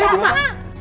ini itu mah